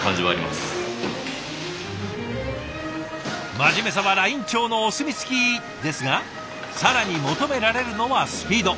真面目さはライン長のお墨付きですが更に求められるのはスピード。